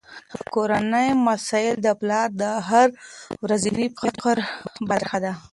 کورني مسایل د پلار د هره ورځني فکر برخه ده.